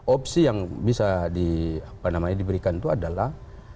opsi yang bisa diberikan itu adalah